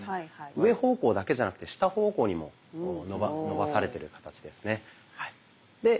上方向だけじゃなくて下方向にも伸ばされてる形ですね。